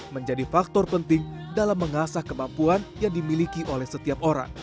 menjadi faktor penting dalam mengasah kemampuan yang dimiliki oleh setiap orang